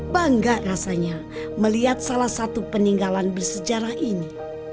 bangga rasanya melihat salah satu peninggalan bersejarah ini